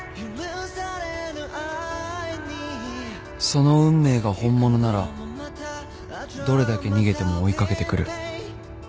その運命が本物ならどれだけ逃げても追い掛けてくる